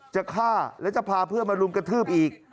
จะฆ่าแล้วจะพาเพื่อนมารุมกระทืบอีก